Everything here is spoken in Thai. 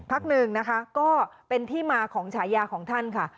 พักหนึ่งนะคะก็เป็นที่มาของฉายาของท่านค่ะ